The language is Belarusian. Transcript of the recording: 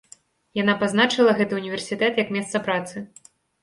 Яна пазначыла гэты ўніверсітэт як месца працы.